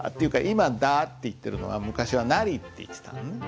今「だ」って言ってるのは昔は「なり」って言ってたのね。